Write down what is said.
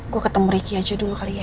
gue ketemu ricky aja dulu kali ya